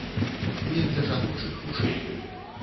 Не для жаночых вушэй.